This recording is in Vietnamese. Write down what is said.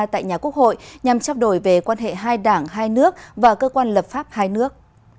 tại nhà quốc hội nhằm trao đổi về quan hệ hai đảng hai nước và cơ quan lập pháp hai nước